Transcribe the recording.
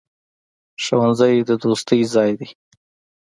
ښوونځی د دوستۍ ځای دی.